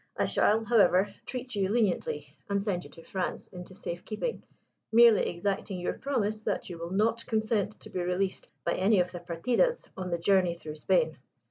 I shall, however, treat you leniently, and send you to France into safe keeping, merely exacting your promise that you will not consent to be released by any of the partidas on the journey through Spain.'